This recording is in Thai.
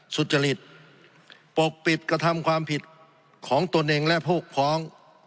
สุจริตปกปิดกระทำความผิดของตนเองและพวกพ้อง